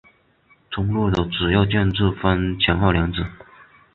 中路的主要建筑分前后两组。